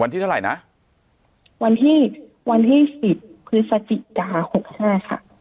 ที่เท่าไหร่นะวันที่วันที่สิบพฤศจิกาหกห้าค่ะ